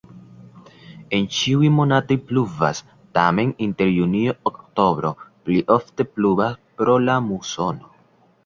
En ĉiuj monatoj pluvas, tamen inter junio-oktobro pli ofte pluvas pro la musono.